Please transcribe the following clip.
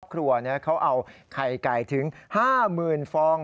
ครอบครัวเนี่ยเขาเอาไข่ไก่ถึง๕หมื่นฟอง